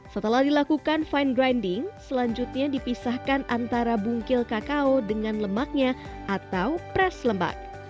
setelah dilakukan fine grinding selanjutnya dipisahkan antara bungkil kakao dengan lemaknya atau press lembak